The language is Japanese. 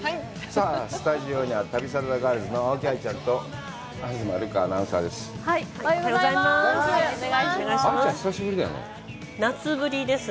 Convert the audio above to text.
さあ、スタジオには旅サラダガールズの青木愛ちゃんと、東留伽アナウンサーです。